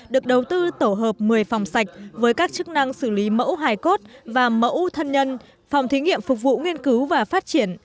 được đầu tư tổ hợp một mươi phòng sạch với các chức năng xử lý mẫu hài cốt và mẫu thân nhân phòng thí nghiệm phục vụ nghiên cứu và phát triển